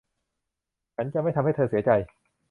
ฉันจะไม่ทำให้เธอเสียใจ